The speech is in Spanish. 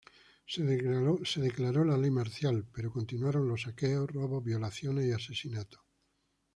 Se declaró la ley marcial, pero continuaron los saqueos, robos, violaciones y asesinatos.